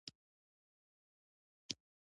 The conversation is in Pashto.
په کلیو کې د ورورولۍ فضا وي.